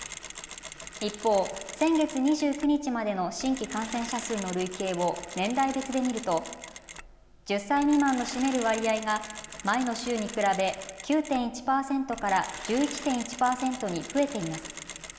一方、先月２９日までの新規感染者数の累計を年代別で見ると１０歳未満の占める割合が前の週に比べ９．１％から１１．１％に増えています。